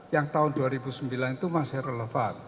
yang tahun dua ribu sembilan itu masih relevan